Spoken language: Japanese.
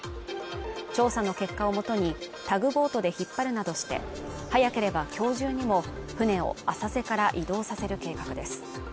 調査の結果をもとにタグボートで引っ張るなどして早ければ今日中にも船を浅瀬から移動させる計画です